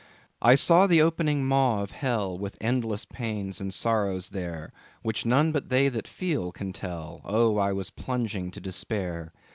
"I saw the opening maw of hell, With endless pains and sorrows there; Which none but they that feel can tell— Oh, I was plunging to despair.